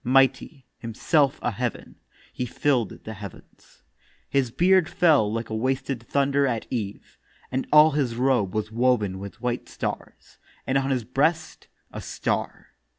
Mighty, himself a heav'n, he fill'd the heavens. His beard fell like a wasted thunder at eve, And all his robe was woven with white stars, And on his breast a star.